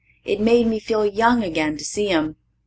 It made me feel young again to see 'em.